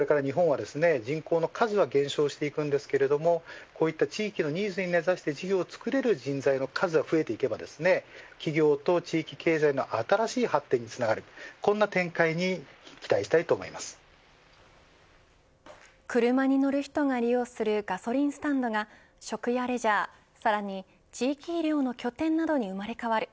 これから日本は人口の数は減少していくんですがこういった地域のニーズに根差して企業をつくれる人材の数は増えていけば企業と地域経済の新しい発展につながるこんな展開に車に乗る人が利用するガソリンスタンドが食やレジャー、さらに地域医療の拠点などに生まれ変わる。